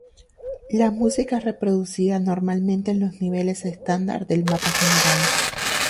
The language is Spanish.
La música es reproducida normalmente en los niveles estándar del mapa general.